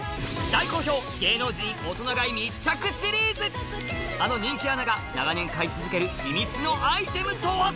大好評シリーズあの人気アナが長年買い続ける秘密のアイテムとは？